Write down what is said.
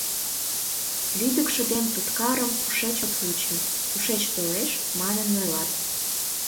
Лӱдыкшӧ ден туткарым кушеч от вучо, тушеч толеш, манын ойлат.